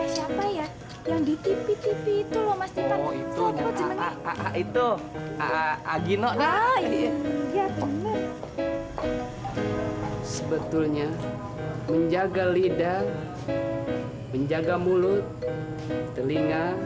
sampai jumpa di video selanjutnya